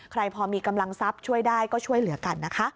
ใครพอมีกำลังทรัพย์ช่วยได้ก็ช่วยเหลือกันนะคะ